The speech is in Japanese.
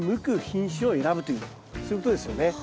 そういうことですよね。